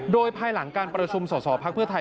โดยภายหลังการประชุมสอสอพักเพื่อไทย